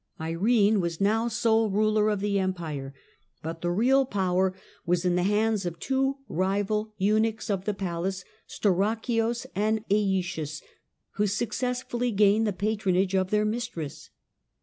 Irene was now sole ruler of the Empire, but the real power was in the hands of two rival eunuchs of the palace, Stauracius and iEtius, who successively gained the patronage of their mistress.